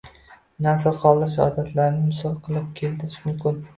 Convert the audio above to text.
Nasl qoldirish “odat”larini misol qilib keltirish mumkin.